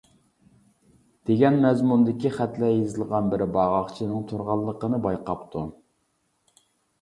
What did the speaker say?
دېگەن مەزمۇندىكى خەتلەر يېزىلغان بىر باغاقچىنىڭ تۇرغانلىقىنى بايقاپتۇ.